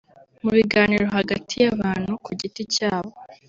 mu biganiro hagati y’abantu ku giti cyabo